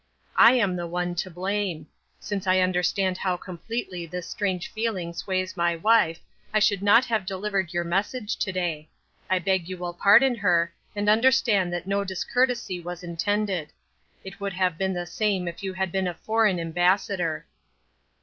I am the one to blame ; since I understand how completely this strange feeling sways my wife I should not have delivered your message to day. I beg you will pardon her, and understand that no discourtesy was intended ; it would have been the same if you had been a foreign ambassador."